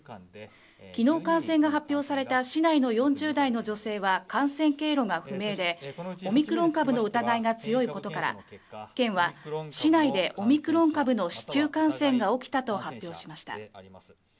昨日、感染が発表された市内の４０代の女性は感染経路が不明で、オミクロン株の疑いが強いことから県は市内でオミクロン株の市中感染が起きたと発表しました。